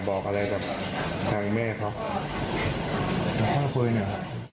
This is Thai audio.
ไม่ค่อยคุยเนี่ย